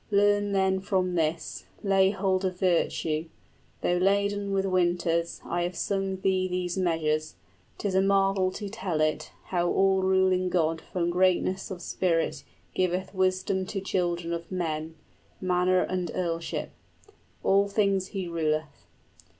Learn then from this, Lay hold of virtue! Though laden with winters, I have sung thee these measures. 'Tis a marvel to tell it, {Hrothgar moralizes.} 75 How all ruling God from greatness of spirit Giveth wisdom to children of men, Manor and earlship: all things He ruleth.